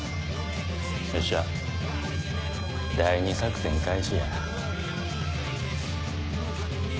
よっしゃ第２作戦開始や。